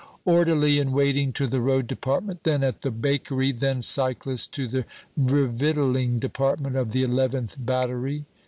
" orderly in waiting to the Road Department, then at the Bakery, then cyclist to the Revictualing Department of the Eleventh Battery."